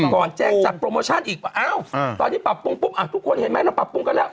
ก่อนแจ้งจัดโปรโมชั่นอีกว่าอ้าวตอนนี้ปรับปรุงปุ๊บทุกคนเห็นไหมเราปรับปรุงกันแล้ว